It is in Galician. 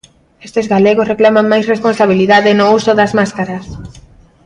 Estes galegos reclaman máis responsabilidade no uso das máscaras.